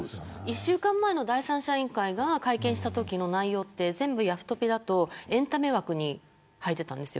１週間前の第三者委員会が会見したときの内容って全部ヤフトピだとエンタメ枠に入っていたんです。